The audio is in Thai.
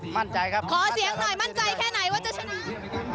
มั่นใจครับขอเสียงหน่อยมั่นใจแค่ไหนว่าจะชนะ